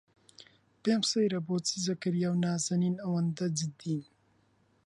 پێم سەیرە بۆچی زەکەریا و نازەنین ئەوەندە جددین.